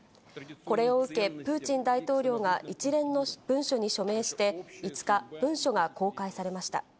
これを受け、プーチン大統領が一連の文書に署名して、５日、文書が公開されました。